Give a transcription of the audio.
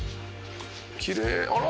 きれいあら！」